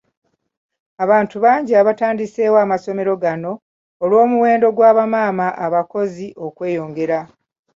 Abantu bangi abatandiseewo amasomero gano olw’omuwendo gwa ba maama abakozi okweyongera.